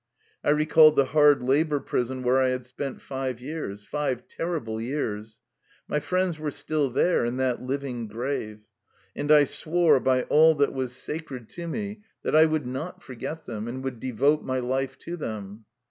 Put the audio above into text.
I recalled the hard labor prison where I had spent five years, five terrible years. My friends were still there, in that living grave. And I swore by all that was sacred to me that 209 THE LIFE STOEY OF A RUSSIAN EXILE I would not forget them, and would devote my life to them.